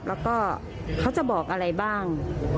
แล้วก็เขาจะบอกอะไรบ้าง